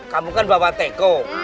kamu kan bawa teko